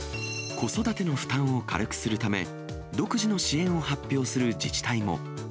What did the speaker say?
子育ての負担を軽くするため、独自の支援を発表する自治体も。